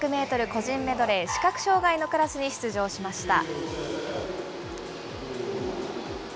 個人メドレー、視覚障害のクラスに出場しました。